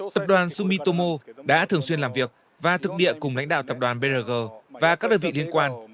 tập đoàn sumitomo đã thường xuyên làm việc và thực địa cùng lãnh đạo tập đoàn brg và các đơn vị liên quan